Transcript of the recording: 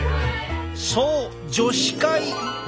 そう女子会！